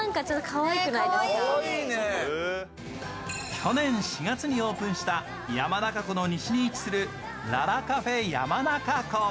去年４月にオープンした山中湖の西に位置するララカフェヤマナカコ。